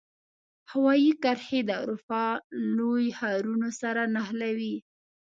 هوایي کرښې د اروپا لوی ښارونو سره نښلوي.